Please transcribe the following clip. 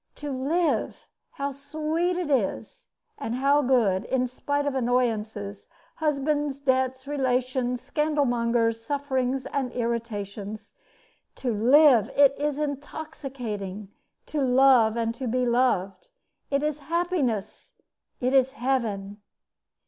To live! How sweet it is, and how good, in spite of annoyances, husbands, debts, relations, scandal mongers, sufferings, and irritations! To live! It is intoxicating! To love, and to be loved! It is happiness! It is heaven!